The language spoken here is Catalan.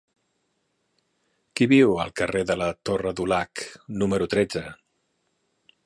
Qui viu al carrer de la Torre Dulac número tretze?